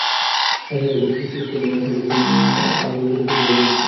হাজার হাজার দর্শক সিলেট স্টেডিয়ামে এসে দেখেছেন দেশের আগামী দিনের ফুটবলারদের কীর্তি।